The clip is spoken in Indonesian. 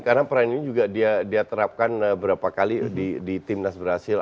karena perang ini juga dia terapkan berapa kali di timnas brazil